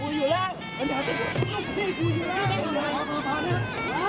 โอ้โฮที่ต้องฟีดภาพช่วงนั้น